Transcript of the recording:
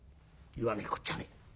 「言わねえこっちゃねえ。